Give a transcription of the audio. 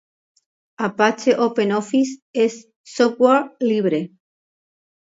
Apache OpenOffice es software libre.